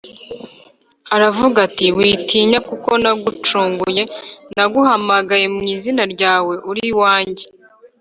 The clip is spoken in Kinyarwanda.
aravuga ati, “witinya kuko nagucunguye, naguhamagaye mu izina ryawe uri uwanjye